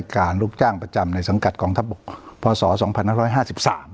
การลูกจ้างประจำในสังกัดกองทัพบกพศสองพันห้าร้อยห้าสิบสาม